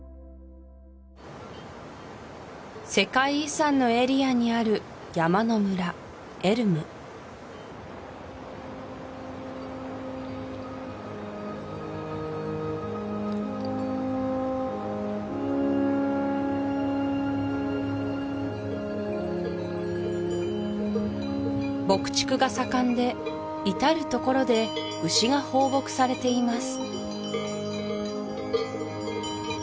世界遺産のエリアにある山の村エルム牧畜が盛んで至る所で牛が放牧されています